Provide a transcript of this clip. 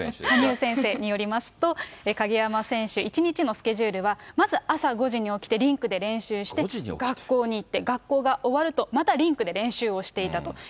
羽生先生によりますと、鍵山選手、一日のスケジュールは、まず朝５時に起きてリンクで練習して、学校に行って、学校が終わると、またリンクで練習をしていたと。